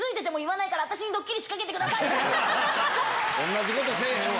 同じことせぇへんわ。